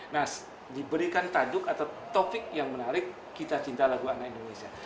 nah diberikan taduk atau topik yang menarik kita cinta lagu anak indonesia